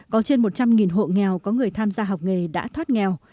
có trên một trăm linh hộ nghèo có người tham gia học nghề đã thoát nghèo